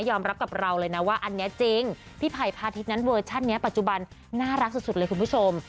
รับกับเราเลยนะว่าอันนี้จริงพี่ไผ่พาทิตยนั้นเวอร์ชันนี้ปัจจุบันน่ารักสุดเลยคุณผู้ชม